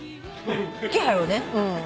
気配をね。